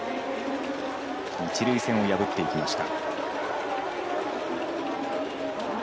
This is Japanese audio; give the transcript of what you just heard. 一塁線を破っていきました。